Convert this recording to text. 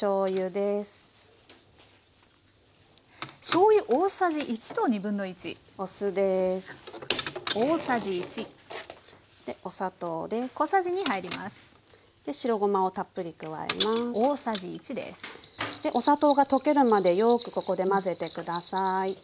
でお砂糖が溶けるまでよくここで混ぜて下さい。